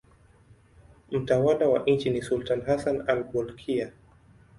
Mtawala wa nchi ni sultani Hassan al-Bolkiah.